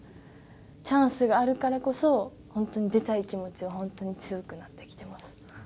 チャンスがあるからこそ本当に出たい気持ちが本当に強くなってきてます。